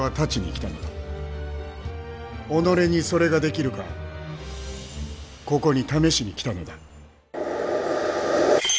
己にそれができるかここに試しに来たのだ。